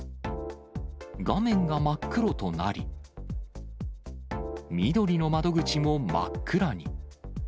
画面が真っ黒となり、みどりの窓口も真っ暗に。